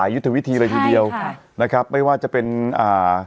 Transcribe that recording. ยุทธวิธีอะไรอย่างเดียวใช่ค่ะนะครับไม่ว่าจะเป็นอ่า